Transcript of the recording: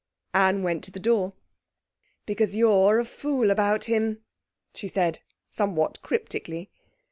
Anne went to the door. 'Because you're a fool about him,' she said somewhat cryptically.